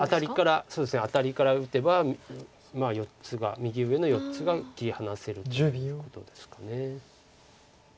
そうですねアタリから打てば右上の４つが切り離せるということですか。